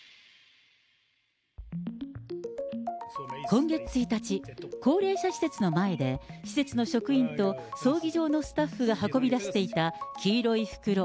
今月１日、高齢者施設の前で、施設の職員と葬儀場のスタッフが運び出していた黄色い袋。